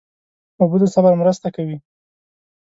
اوبه د صبر مرسته کوي.